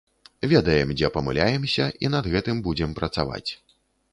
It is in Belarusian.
Ведаем, дзе памыляемся, і над гэтым будзем працаваць.